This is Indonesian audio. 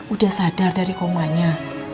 udah sadar dari komanya